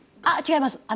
あっ違います。